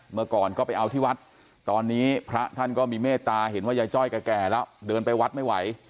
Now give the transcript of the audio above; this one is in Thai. เมื่อก่อนก็ไปเอาที่วัดตอนนี้พระท่านก็มีเมตตาเห็นว่ายายจ้อยแก่แล้วเดินไปวัดไม่ไหว